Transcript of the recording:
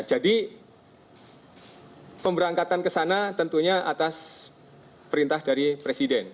jadi pemberangkatan ke sana tentunya atas perintah dari presiden